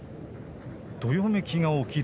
どよめきが起きる。